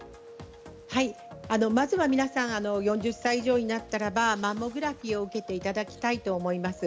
まずは皆さん４０歳以上になったらマンモグラフィーを受けていただきたいと思います。